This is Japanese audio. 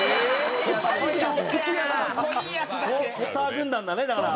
スター軍団だねだから。